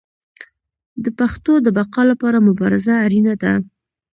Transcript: د پښتو د بقا لپاره مبارزه اړینه ده.